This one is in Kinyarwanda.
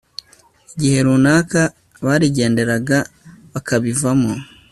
igihe runaka barigenderaga bakabivamo